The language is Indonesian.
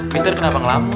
mr kenapa ngelamun